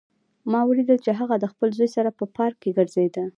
ما ولیدل چې هغه د خپل زوی سره په پارک کې ګرځېده